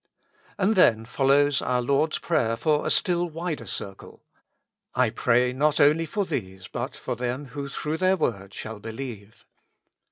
And then follows our Lord's prayer for a stilUvider circle. " I pray not only for these, but for them who through their word shall believe."